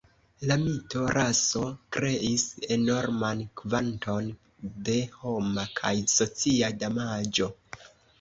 La mito 'raso' kreis enorman kvanton de homa kaj socia damaĝo.